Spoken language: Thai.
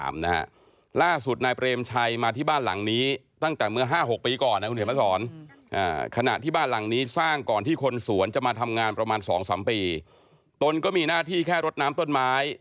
มันจะมาทำงานประมาณ๒๓ปีตนก็มีหน้าที่แค่รถน้ำต้นไม้